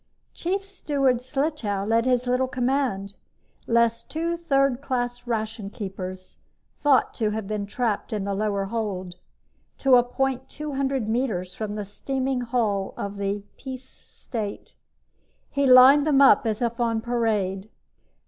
Chief Steward Slichow led his little command, less two third class ration keepers thought to have been trapped in the lower hold, to a point two hundred meters from the steaming hull of the Peace State. He lined them up as if on parade.